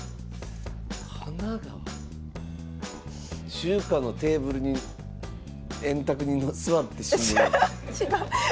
中華のテーブルに円卓に座って新聞読んでる。